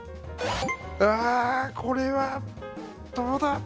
うわあこれはどうだ。